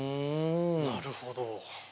なるほど。